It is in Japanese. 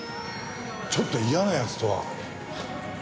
ちょっと嫌な奴とは？